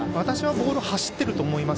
ボールは走っていると思います。